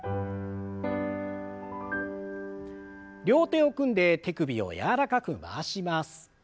両手を組んで手首を柔らかく回します。